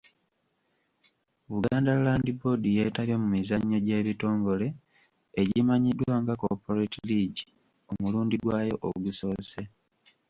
Buganda Land Board yeetabye mu mizannyo gy'ebitongole egimanyiddwa nga Corporate League omulundi gwayo ogusoose.